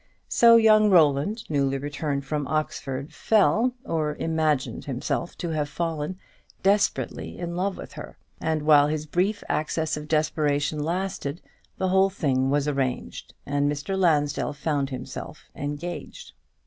So young Roland, newly returned from Oxford, fell or imagined himself to have fallen desperately in love with her; and while his brief access of desperation lasted, the whole thing was arranged, and Mr. Lansdell found himself engaged.